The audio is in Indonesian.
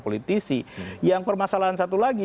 politisi yang permasalahan satu lagi